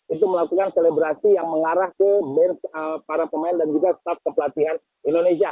itu melakukan selebrasi yang mengarah ke bench para pemain dan juga staff kepelatihan indonesia